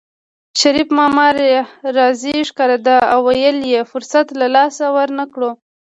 شريف ماما راضي ښکارېده او ویل یې فرصت له لاسه ورنکړو